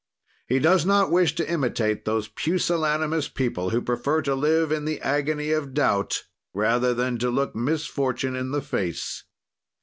"He does not wish to imitate those pusillanimous people who prefer to live in the agony of doubt rather than to look misfortunes in the face.